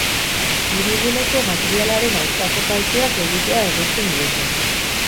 Hiriguneko materialaren aurkako kalteak egitea egozten diete.